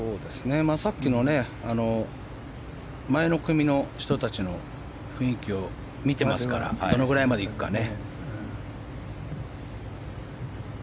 さっきの前の組の人たちの雰囲気を見てますからどのぐらいまで行くかね。